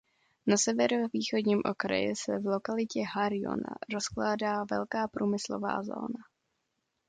Na severovýchodním okraji se v lokalitě Har Jona rozkládá velká průmyslová zóna.